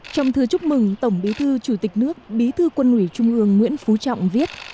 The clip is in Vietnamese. trong thư chúc mừng tổng bí thư chủ tịch nước bí thư quân ủy trung ương nguyễn phú trọng viết